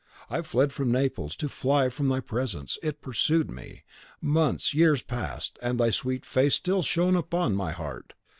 I fled from Naples to fly from thy presence, it pursued me. Months, years passed, and thy sweet face still shone upon my heart.